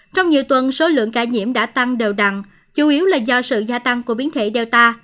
trong nhiều tuần số lượng ca nhiễm đã tăng đều đặn chủ yếu là do sự gia tăng của biến thể data